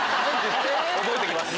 覚えときます！